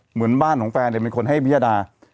เหมือนบ้านของแฟนเนี่ยเป็นคนให้พิญญาดา